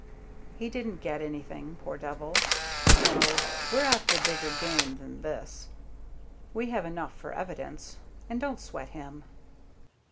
"He didn't get any thing, poor devil. No; we're after bigger game than this. We have enough for evidence. And don't sweat him."